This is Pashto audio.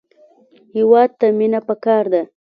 هېواد ته مینه پکار ده